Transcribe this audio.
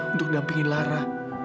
untuk dampingi lara